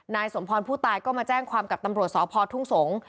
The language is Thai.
นายสมพรผู้ตายก็มาแจ้งความกับตำรวจสพทุ่งสงศ์